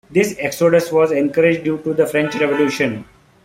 This exodus was encouraged due to the French Revolution.